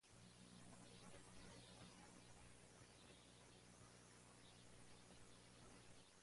Así también, aun en este tiempo han quedado reliquias por la elección de gracia.